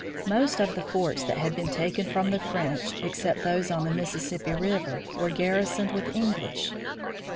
Most of the forts that had been taken from the French, except those on the Mississippi River, were garrisoned with English.